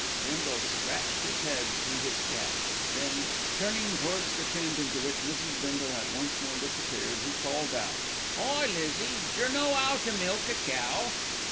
Bindle scratched his head through his cap, then, turning towards the tent into which Mrs. Bindle had once more disappeared, he called out: "Hi, Lizzie, jer know 'ow to milk a cow?"